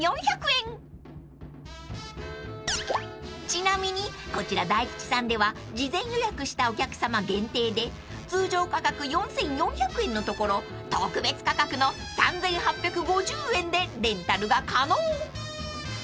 ［ちなみにこちら大吉さんでは事前予約したお客さま限定で通常価格４，４００円のところ特別価格の３，８５０円でレンタルが可能］